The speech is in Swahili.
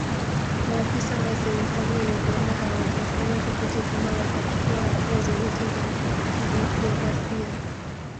Maafisa wa serikali ya Uganda hawajasema chochote kama watachukua hatua zozote za kidiplomasia